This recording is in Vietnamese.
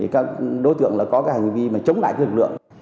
các đối tượng có hành vi mà chống lại lực lượng